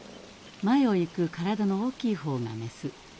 前を行く体の大きい方がメス。